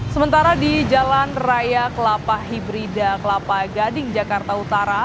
sementara di jalan raya kelapa hibrida kelapa gading jakarta utara